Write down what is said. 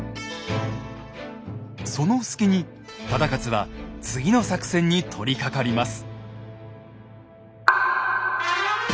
その隙に忠勝は次の作戦に取りかかります。